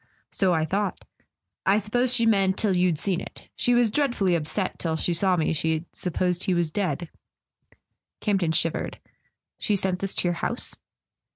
"So I thought. I suppose she meant, till you'd seen it. She was dreadfully upset... till she saw me she'd supposed he was dead." Camp ton shivered. "She sent this to your house?"